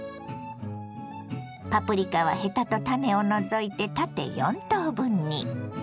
パプリカはヘタと種を除いて縦４等分に。